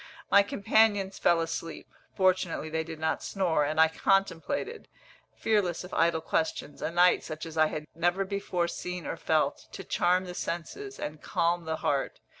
My companions fell asleep fortunately they did not snore; and I contemplated, fearless of idle questions, a night such as I had never before seen or felt, to charm the senses, and calm the heart.